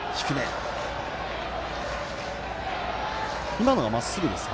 今のはまっすぐですか？